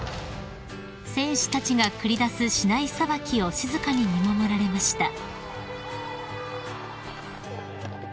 ［選手たちが繰り出す竹刀さばきを静かに見守られました］